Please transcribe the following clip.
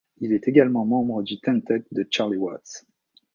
Il est également membre du tentet de Charlie Watts.